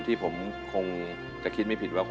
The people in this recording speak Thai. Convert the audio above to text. ที่ผมคงจะคิดไม่ผิดว่า